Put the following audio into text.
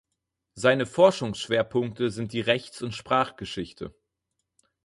Seine Forschungsschwerpunkte sind die Rechts- und Sprachgeschichte.